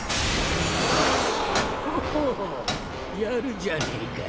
ほほうやるじゃねえか。